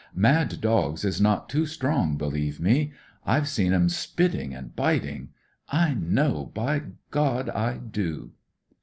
* Mad dogs ' is not too strong, believe me. I've seem 'em spitting and biting. I know — ^by God I do